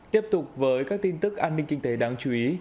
tiếp tục với các tin tức an ninh kinh tế đáng chú ý